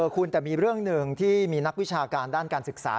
คุณแต่มีเรื่องหนึ่งที่มีนักวิชาการด้านการศึกษา